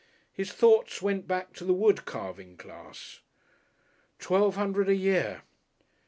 His thoughts went back to the wood carving class. Twelve Hundred a Year.